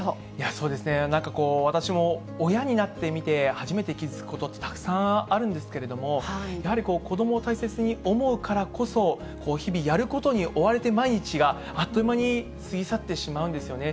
そうですね、なんかこう、私も親になってみて初めて気付くことってたくさんあるんですけれども、やはり子どもを大切に思うからこそ、日々、やることに追われて毎日があっという間に過ぎ去ってしまうんですよね。